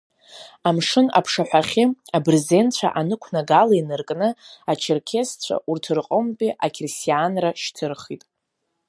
Амшын аԥшаҳәахьы абырзенцәа анықәнагала инаркны ачерқьесцәа, урҭ рҟынтәи ақьырсианра шьҭырхит.